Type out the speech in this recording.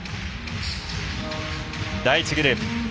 第１グループ。